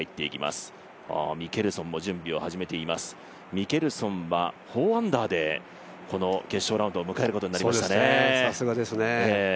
ミケルソンは４アンダーで決勝ラウンドを迎えることになりましたね。